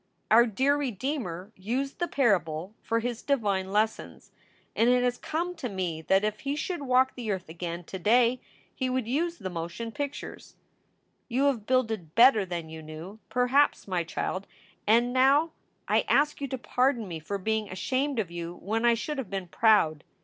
402 SOULS FOR SALE Our dear Redeemer used the parable for his divine lessons, and it has come to me that if he should walk the earth again to day he would use the motion pictures. "You have builded better than you knew, perhaps, my child and now I ask you to pardon me for being ashamed of you when I should have been proud.